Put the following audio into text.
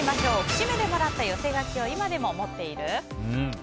節目でもらった寄せ書きを今でも持っている？